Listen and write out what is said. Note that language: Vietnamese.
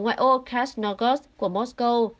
ở ngoài ô krasnogorsk của moscow